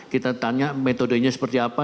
kita tanya metodenya seperti apa